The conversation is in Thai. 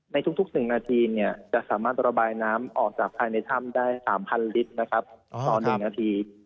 ในทุก๑นาทีจะสามารถระบายน้ำออกจากภายในถ้ำได้๓๐๐ลิตรนะครับต่อ๑นาที